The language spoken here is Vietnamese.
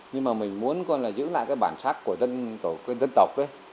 nhưng mà mình muốn là giữ lại cái bản sắc của dân tộc ấy